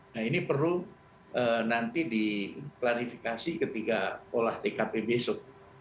nah ini perlu nanti diklarifikasi ketika olah tkp besok